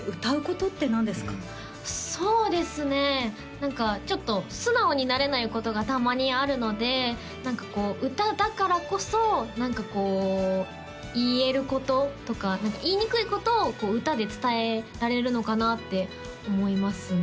何かちょっと素直になれないことがたまにあるので歌だからこそ何かこう言えることとか何か言いにくいことを歌で伝えられるのかなって思いますね